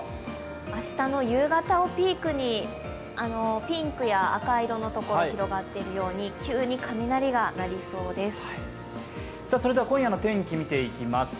明日の夕方をピークにピンクや赤色の所、広がっているように急に雷が鳴りそうです。